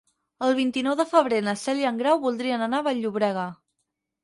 El vint-i-nou de febrer na Cel i en Grau voldrien anar a Vall-llobrega.